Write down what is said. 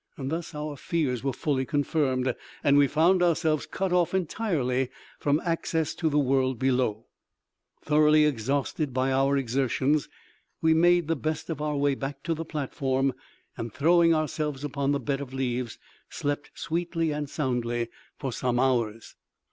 Thus our fears were fully confirmed, and we found ourselves cut off entirely from access to the world below. Thoroughly exhausted by our exertions, we made the best of our way back to the platform, and throwing ourselves upon the bed of leaves, slept sweetly and soundly for some hours.